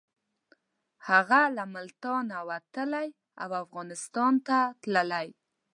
هغه له ملتانه وتلی او افغانستان ته تللی.